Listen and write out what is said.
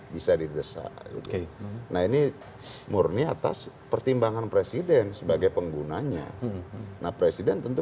bisa didesak nah ini murni atas pertimbangan presiden sebagai penggunanya nah presiden tentu